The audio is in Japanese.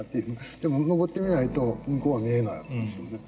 でも登ってみないと向こうは見えない訳ですよね。